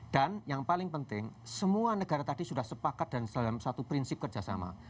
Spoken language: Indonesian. dan yang paling penting semua negara tadi sudah sepakat dalam satu prinsip kerjasama